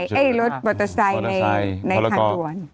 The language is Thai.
ไอ้รถมอเตอร์ไซค์ในทางด่วน